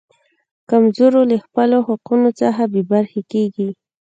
کمزورو له خپلو حقونو څخه بې برخې کیږي.